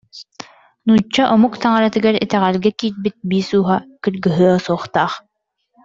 Нуучча омук таҥаратыгар итэҕэлгэ киирбит биис ууһа кыргыһыа суохтаах